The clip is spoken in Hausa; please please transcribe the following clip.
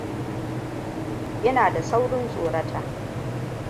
Ina da saurin tsorata.